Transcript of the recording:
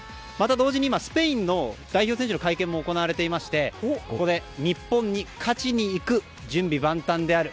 また同時に今スペインの代表選手の会見も行われていてここで日本に勝ちに行く準備万端である。